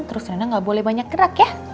terus rina gak boleh banyak gerak ya